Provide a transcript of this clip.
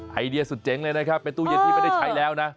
ไอเดียสุดเจ๋งเลยนะครับเป็นตู้เย็นที่ไม่ได้ใช้แล้วนะ